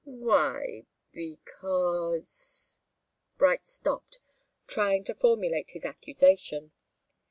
"Why because " Bright stopped, trying to formulate his accusation.